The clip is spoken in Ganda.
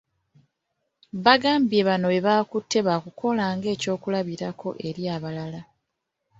Bagambye bano be bakutte baakukola ng'ekyokulabirako eri abalala.